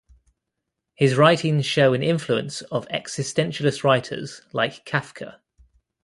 His writings show an influence of existentialist writers like Kafka.